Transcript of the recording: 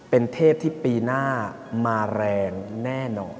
เป็นเทพที่ปีหน้ามาแรงแน่นอน